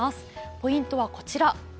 ポイントはこちら。